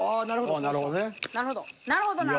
なるほど。